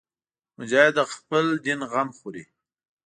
مجاهد د خپل دین غم خوري.